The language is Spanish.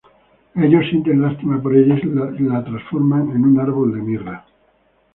Ellos sienten lástima por ella y la transforman en un árbol de mirra.